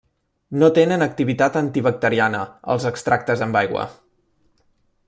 No tenen activitat antibacteriana els extractes amb aigua.